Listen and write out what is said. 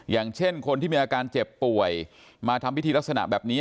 อย่างเช่นคนที่มีอาการเจ็บป่วยมาทำพิธีลักษณะแบบนี้